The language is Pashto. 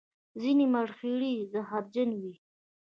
ځینې مرخیړي زهرجن وي